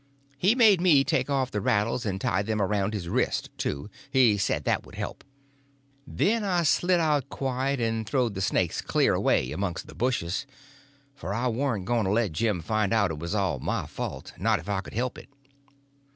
He made me take off the rattles and tie them around his wrist, too. He said that that would help. Then I slid out quiet and throwed the snakes clear away amongst the bushes; for I warn't going to let Jim find out it was all my fault, not if I could help it.